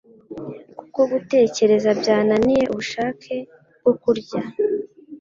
kuko gutekereza byananiye ubushake bwo kurya